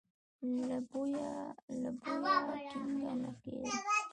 له بويه ټېکه نه کېده.